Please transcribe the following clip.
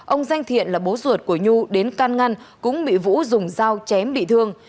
ông danh thiện là bố ruột của nhu đến can ngăn cũng bị vũ dùng dao chém bị thương